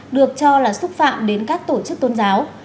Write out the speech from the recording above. được cho là xúc phạm đến các tổ chức tôn giáo